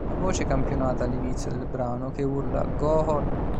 La voce campionata all'inizio del brano che urla "Go on!